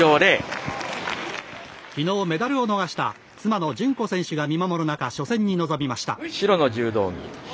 きのうメダルを逃した妻の順子選手が見守る中初戦に臨みました。